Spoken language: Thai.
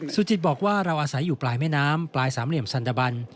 สุจิตบอกว่าเราอาศัยอยู่ปลายแม่น้ำปลายสามเหลี่ยมซันตบัน